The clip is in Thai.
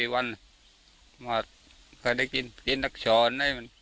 ๔วันก็ได้กินนักชอน